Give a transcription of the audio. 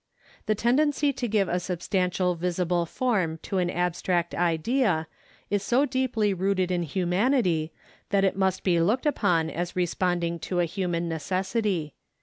The tendency to give a substantial visible form to an abstract idea is so deeply rooted in humanity that it must be looked upon as responding to a human necessity.